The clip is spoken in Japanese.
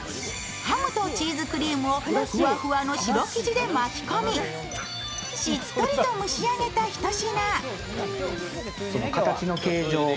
ハムとチーズクリームをふわふわの白生地で巻き込みしっとりと蒸し上げた一品。